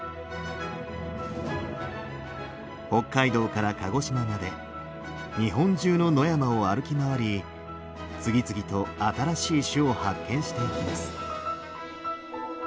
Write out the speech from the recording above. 北海道から鹿児島まで日本中の野山を歩き回り次々と新しい種を発見していきます。